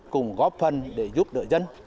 cùng góp phần để giúp đỡ dân